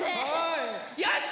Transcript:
よし！